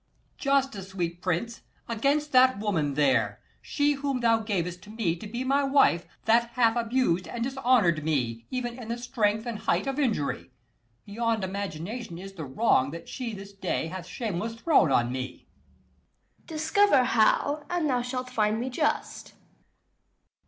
_ Justice, sweet prince, against that woman there! She whom thou gavest to me to be my wife, That hath abused and dishonour'd me Even in the strength and height of injury: 200 Beyond imagination is the wrong That she this day hath shameless thrown on me. Duke. Discover how, and thou shalt find me just. _Ant.